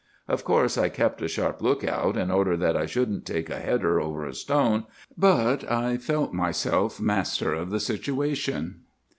Of course I kept a sharp lookout, in order that I shouldn't take a header over a stone; but I felt myself master of the situation.